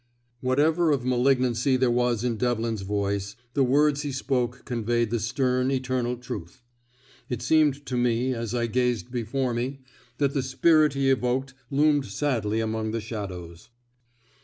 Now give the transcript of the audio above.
Whatever of malignancy there was in Devlin's voice, the words he spoke conveyed the stern, eternal truth. It seemed to me, as I gazed before me, that the spirit he evoked loomed sadly among the shadows.